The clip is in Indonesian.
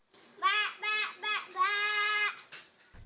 pak pak pak pak